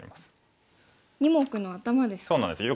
２目の頭ですか。